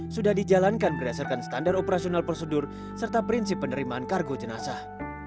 sudah dijalankan berdasarkan standar operasional prosedur serta prinsip penerimaan kargo jenazah